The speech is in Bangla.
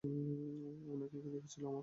অনেক খিদে পেয়েছিল আমার।